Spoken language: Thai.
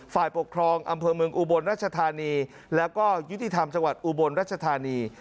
ฝ่ายปกครองอำเภอเมืองอุบลรัชธานีแล้วก็ยุติธรรมจังหวัดอุบลรัชธานี